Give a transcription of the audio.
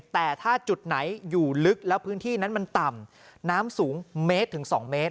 แต่ถ้าจุดไหนอยู่ลึกแล้วพื้นที่นั้นมันต่ำน้ำสูงเมตรถึง๒เมตร